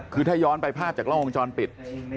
คือถ้าย้อนไปภาพจากกล้องวงจรปิด